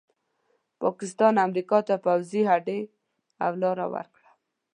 پاکستان امریکا ته پوځي هډې او لاره ورکړه.